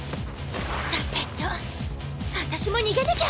さてとあたしも逃げなきゃ。